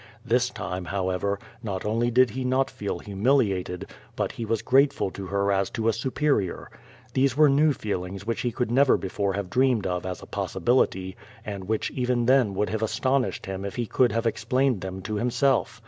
This time, however, not only did he not feel humiliated, but he was grateful to her as to a superior. These were new feelings which he could never before have dreamed of as a po6si])ility, and which even then would have astonished him if he could have explained them to himself.